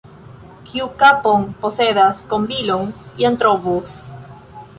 Kiu kapon posedas, kombilon jam trovos.